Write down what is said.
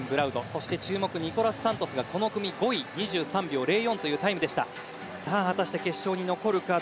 そして注目ニコラス・サントスがこの組５位、２３秒０４というタイムでした。